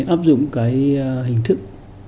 áp dụng cái hình thức